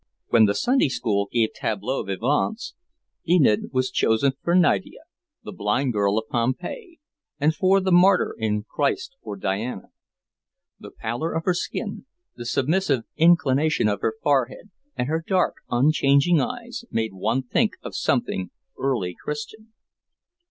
When the Sunday School gave tableaux vivants, Enid was chosen for Nydia, the blind girl of Pompeii, and for the martyr in "Christ or Diana." The pallor of her skin, the submissive inclination of her forehead, and her dark, unchanging eyes, made one think of something "early Christian."